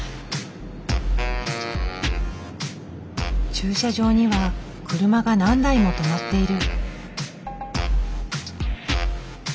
駐車場には車が何台も止まっている。